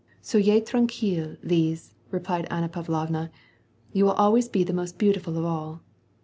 " Soyez tranquUley Lise," replied Anna Pavlovna, " you will always be the most beautiful of all."